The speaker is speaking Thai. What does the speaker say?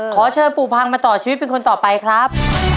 ขอเชิญปู่พังมาต่อชีวิตเป็นคนต่อไปครับ